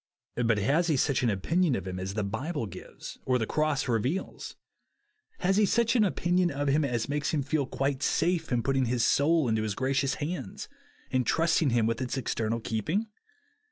But has he such an opinion of him as the Bible gives or the cross reveals ? Has he such an opinion of him as makes him feel quite safe in put ting his soul into his gracious hands, and trusting him with its eternal keeping?